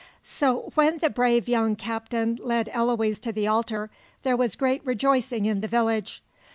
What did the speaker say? So when the brave young captain led Eloise to the altar there was great rejoicing in the village.